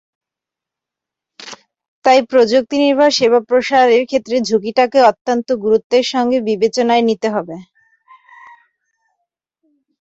তাই প্রযুক্তিনির্ভর সেবা প্রসারের ক্ষেত্রে ঝুঁকিটাকেও অত্যন্ত গুরুত্বের সঙ্গে বিবেচনায় নিতে হবে।